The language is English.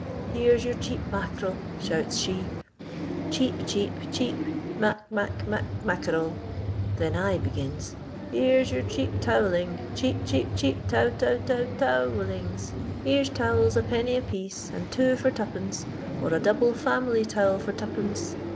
* Here's your cheap mack'rel,' shouu she, * cheap, cheap, cheap mac mac mac »i«cifc'rel. Then / be gins :* Here 's your cheap towelling ; chejip, cheap, cheap, tow tow tow <o«H»llings. Here's towels a penny a piece, and two for twopence, or a double fitmily towel for twopence.'